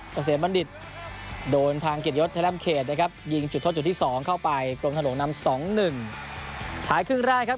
เกษตรบรรดิศโดนทางเกษตรยศชะล่ำเขตนะครับ